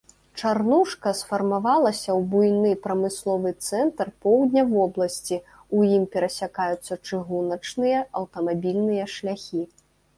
Чарнушка сфармавалася ў буйны прамысловы цэнтр поўдня вобласці, у ім перасякаюцца чыгуначныя, аўтамабільныя шляхі.